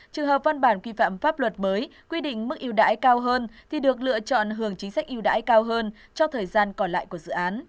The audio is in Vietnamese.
trường hợp văn bản quy phạm pháp luật mới quy định mức yêu đãi cao hơn thì được lựa chọn hưởng chính sách yêu đãi cao hơn cho thời gian còn lại của dự án